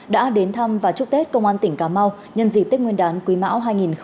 đã đến thăm và chúc tết công an tỉnh cà mau nhân dịp tết nguyên đán quý mão hai nghìn hai mươi